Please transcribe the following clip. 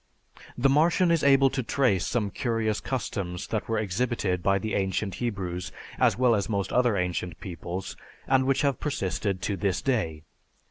The Martian is able to trace some curious customs that were exhibited by the ancient Hebrews as well as most other ancient peoples, and which have persisted to this day.